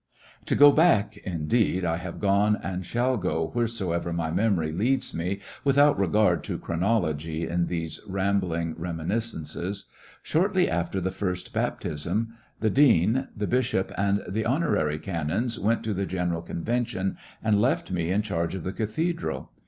To go back,— indeed, I have gone and shall Behhazzar go whithersoever my memory leads me, with ^^'^ out regard to chronology, in these rambling reminiscences,— shortly after the first baptism, the dean, the bishop, and the honorary canons went to the General Convention and left me in charge of the cathedral.